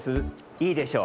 いいでしょう？